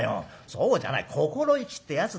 そうじゃない心意気ってやつだよ。